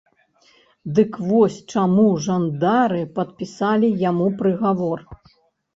Дык вось чаму жандары падпісалі яму прыгавор.